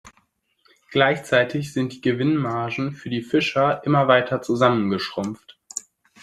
Gleichzeitig sind die Gewinnmargen für die Fischer immer weiter zusammengeschrumpft.